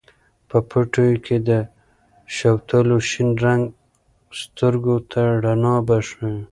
په پټیو کې د شوتلو شین رنګ سترګو ته رڼا بښي.